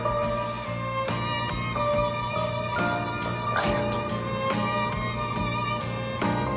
ありがとう。